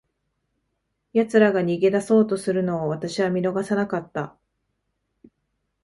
奴らが逃げ出そうとするのを、私は見逃さなかった。